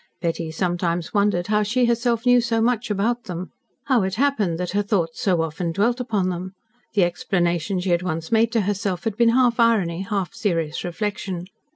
Betty sometimes wondered how she herself knew so much about them how it happened that her thoughts so often dwelt upon them. The explanation she had once made to herself had been half irony, half serious reflection.